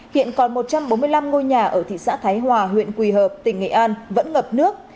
hiện còn một trăm bốn mươi năm ngôi nhà ở thị xã thái hòa huyện quỳ hợp tỉnh nghệ an vẫn ngập nước